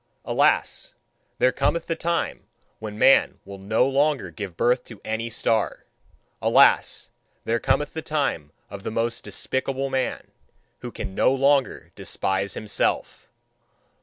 Alas! There cometh the time when man will no longer give birth to any star. Alas! There cometh the time of the most despicable man, who can no longer despise himself.